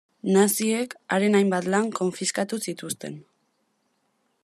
Naziek haren hainbat lan konfiskatu zituzten.